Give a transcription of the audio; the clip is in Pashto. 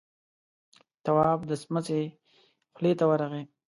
تواب د سمڅې خولې ته ورغی.